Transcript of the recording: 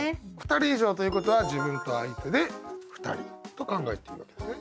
２人以上ということは自分と相手で２人と考えていいわけですね。